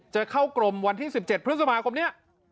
จะเข้ากรมวันที่๑๗พฤษภาคมนี้